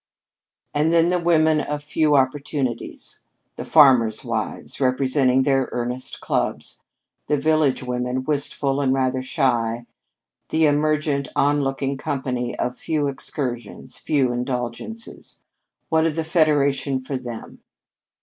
And then the women of few opportunities the farmers' wives representing their earnest clubs; the village women, wistful and rather shy; the emergent, onlooking company of few excursions, few indulgences what of the Federation for them?